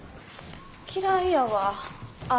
嫌いやわあ